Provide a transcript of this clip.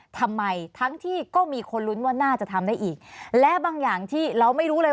ทั้งที่ก็มีคนลุ้นว่าน่าจะทำได้อีกและบางอย่างที่เราไม่รู้เลย